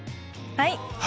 はい。